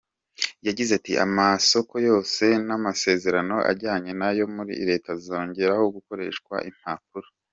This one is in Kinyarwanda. Yagize ati “Amasoko yose n’amasezerano ajyanye nayo muri leta ntazongera gukoreshwamo impapuro.